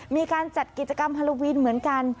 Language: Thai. มีการจัดกิจกรรมฮาโลวีนเหมือนกัน